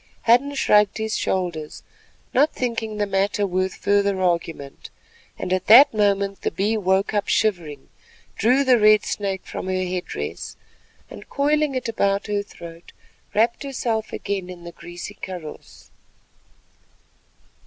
Hadden shrugged his shoulders, not thinking the matter worth further argument, and at that moment the Bee woke up shivering, drew the red snake from her head dress and coiling it about her throat wrapped herself again in the greasy kaross.